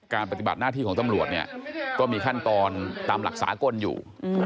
ปฏิบัติหน้าที่ของตำรวจเนี่ยก็มีขั้นตอนตามหลักสากลอยู่